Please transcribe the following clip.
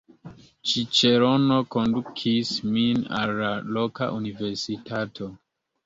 Ĉiĉerono kondukis min al la loka universitato.